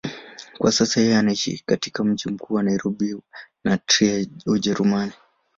Kwa sasa yeye anaishi katika mji mkuu wa Nairobi na Trier, Ujerumani.